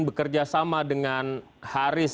bekerja sama dengan haris